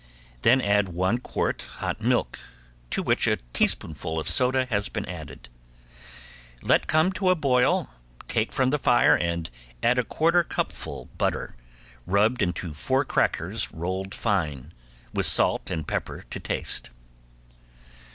Then add one quart hot milk, to which a teaspoonful soda has been added, let come to a boil, take from the fire and add a quarter cupful butter rubbed into four crackers rolled fine, with salt and pepper to taste.